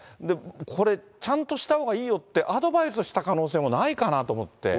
これ、ちゃんとしたほうがいいよってアドバイスした可能性も、ないかなと思って。